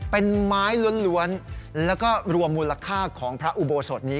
เป็นไม้ล้วนแล้วก็รวมมูลค่าของพระอุโบสถนี้